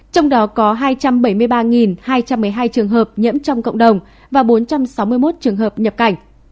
trong đó có hai trăm bảy mươi ba hai trăm một mươi hai trường hợp nhiễm trong cộng đồng và bốn trăm sáu mươi một trường hợp nhập cảnh